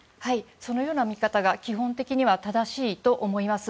そのような見方が基本的には正しいと思います。